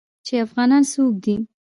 چې افغانان څوک دي.